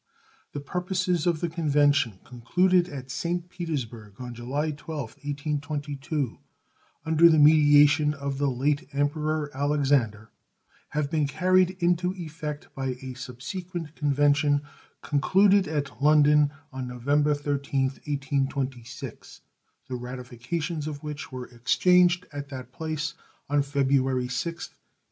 The purposes of the convention concluded at St. Petersburg on July 12th, 1822, under the mediation of the late Emperor Alexander, have been carried into effect by a subsequent convention, concluded at London on November 13th, 1826, the ratifications of which were exchanged at that place on February 6th, 1827.